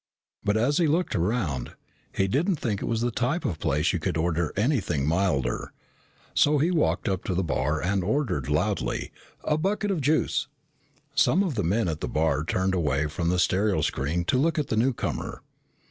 But as he looked around, he didn't think it was the type of place you could order anything milder, so he walked up to the bar and ordered loudly, "A bucket of juice." Some of the men at the bar turned away from the stereo screen to look at the newcomer.